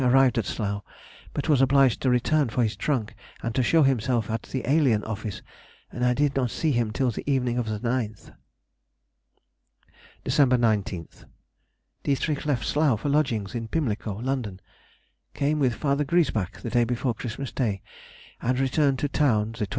arrived at Slough, but was obliged to return for his trunk and to show himself at the alien office, and I did not see him till the evening of the 9th. Dec. 19th.—Dietrich left Slough for lodgings in Pimlico, London. Came with Fr. Griesbach the day before Christmas Day, and returned to town the 26th.